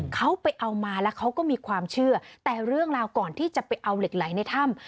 เขาไปเอามาแล้วเขาก็มีความเชื่อแต่เรื่องราวก่อนที่จะไปเอาเหล็กไหลในถ้ำ